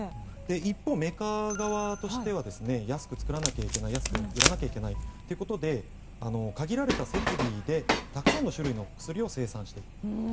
一方、メーカー側としては安く作らなきゃいけない安く売らなきゃいけないということで限られた設備でたくさんの種類の薬を生産している。